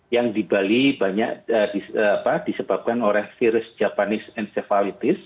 yang di bali banyak disebabkan oleh virus japanese encevalitis